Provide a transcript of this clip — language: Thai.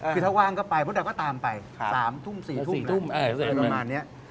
คือถ้าว่างก็ไปมดดำก็ตามไป๓ทุ่ม๔ทุ่มอะไรประมาณนี้